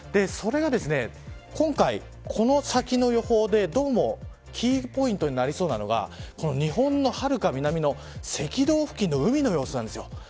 それが今回この先の予報で、どうもキーポイントになりそうなのが日本のはるか南の赤道付近の海の様子です。